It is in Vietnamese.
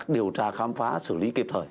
điều tra khám phá xử lý kịp thời